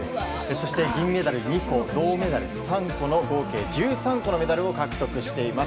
そして、銀メダル２個銅メダル３個の合計１３個のメダルを獲得しています。